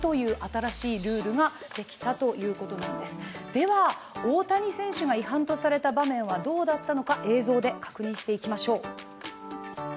では、大谷選手が違反とされた場面はどうだったのか映像で確認していきましょう。